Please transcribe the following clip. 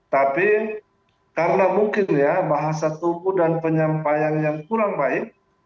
tapi karena mungkin ya bahasa tuku dan penyampaiannya kurang berhasil